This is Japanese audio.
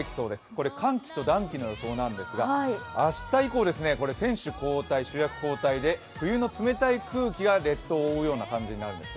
これ、寒気と暖気の予想なんですが明日以降、選手交代、主役交代で冬の冷たい空気が列島を覆うようになるんです。